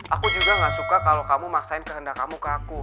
aku juga gak suka kalau kamu maksain kehendak kamu ke aku